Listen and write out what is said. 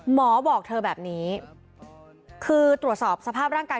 บอกเธอแบบนี้คือตรวจสอบสภาพร่างกาย